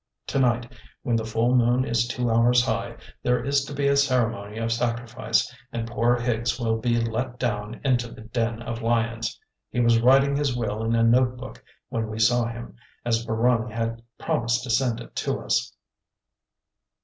To night, when the full moon is two hours high, there is to be a ceremony of sacrifice, and poor Higgs will be let down into the den of lions. He was writing his will in a note book when we saw him, as Barung had promised to send it to us."